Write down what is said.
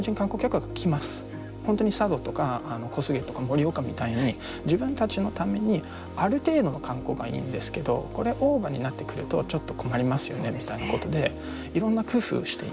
本当に佐渡とか小菅とか盛岡みたいに自分たちのためにある程度の観光がいいんですけどこれオーバーになってくるとちょっと困りますよねみたいなことでいろんな工夫していて。